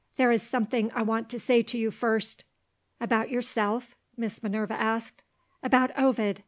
There is something I want to say to you first." "About yourself?" Miss Minerva asked. "About Ovid.